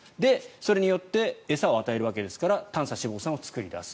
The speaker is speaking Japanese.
それによって餌を与えるわけですから短鎖脂肪酸を作り出す。